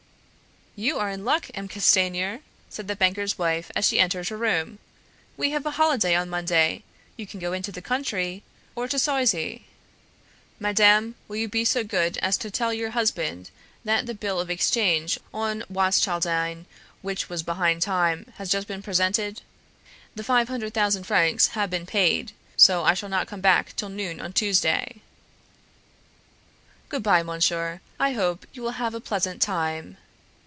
"You are in luck, M. Castanier," said the banker's wife as he entered her room; "we have a holiday on Monday; you can go into the country, or to Soizy." "Madame, will you be so good as to tell your husband that the bill of exchange on Watschildine, which was behind time, has just been presented? The five hundred thousand francs have been paid; so I shall not come back till noon on Tuesday." "Good by, monsieur; I hope you will have a pleasant time."